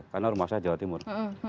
karena rumah saya jawa timur